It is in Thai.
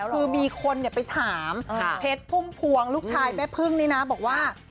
คือมีคนไปถามเพชรพุ่มพวงลูกชายแม่พึ่งนี่นะบอกว่า